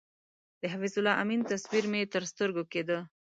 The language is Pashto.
د حفیظ الله امین تصویر مې تر سترګو کېده.